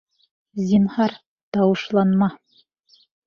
Зинһар, тауышланма.